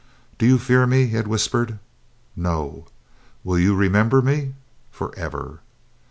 "Do you fear me?" he had whispered. "No." "Will you remember me?" "Forever!"